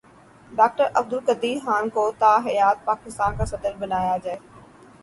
doctor Abdul Qadeer Khan کو تا حیات پاکستان کا صدر بنایا جائے